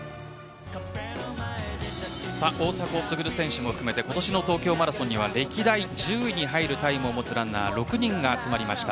大迫傑選手も含め今年の東京マラソンには歴代１０位に入るタイムを持つランナー、６人が集まりました。